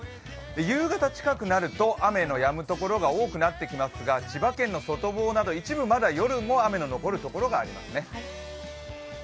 夕方近くなると雨のやむ所が多くなってきますが、千葉県の外房など、一部、まだ雨の残るところがありますね。